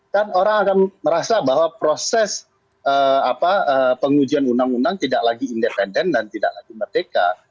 dan orang akan merasa bahwa proses pengujian undang undang tidak lagi independen dan tidak lagi merdeka